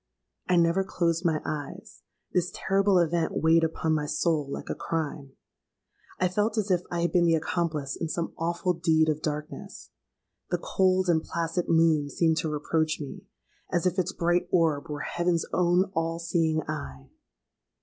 I never closed my eyes: this terrible event weighed upon my soul like a crime. I felt as if I had been the accomplice in some awful deed of darkness. The cold and placid moon seemed to reproach me—as if its bright orb were heaven's own all seeing eye!